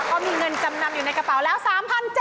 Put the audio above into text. ก็มีเงินจำนำอยู่ในกระเป๋าแล้ว๓๗๐๐